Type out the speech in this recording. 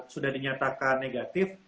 sudah dinyatakan negatif